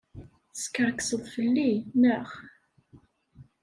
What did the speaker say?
Teskerkseḍ fell-i, naɣ?